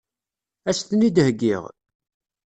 Ad as-ten-id-heggiɣ?